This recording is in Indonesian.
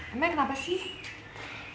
amai kenapa sih